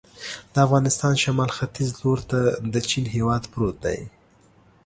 د افغانستان شمال ختیځ ته لور ته د چین هېواد پروت دی.